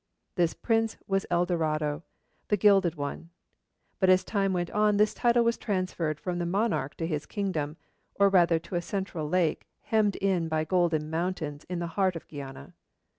This prince was El Dorado, the Gilded One. But as time went on this title was transferred from the monarch to his kingdom, or rather to a central lake hemmed in by golden mountains in the heart of Guiana.